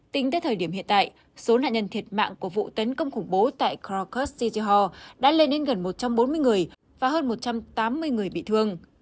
tính tới thời điểm hiện tại số nạn nhân thiệt mạng của vụ tấn công khủng bố tại krokus shichiha đã lên đến gần một trăm bốn mươi người và hơn một trăm tám mươi người bị thương